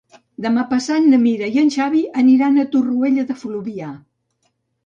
Demà passat na Mira i en Xavi aniran a Torroella de Fluvià.